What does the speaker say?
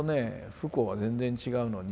不幸は全然違うのに。